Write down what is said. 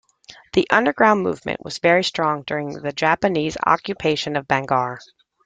The Underground Movement was very strong during the Japanese occupation of Bangar.